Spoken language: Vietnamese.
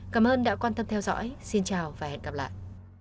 cảm ơn đã quan tâm theo dõi xin chào và hẹn gặp lại